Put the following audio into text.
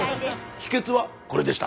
秘けつはこれでした。